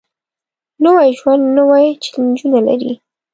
نوی ژوند نوې چیلنجونه لري